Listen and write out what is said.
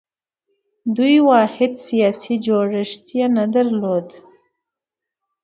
دوی واحد سیاسي جوړښت یې نه درلود